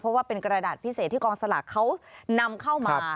เพราะว่าเป็นกระดาษพิเศษที่กองสลากเขานำเข้ามา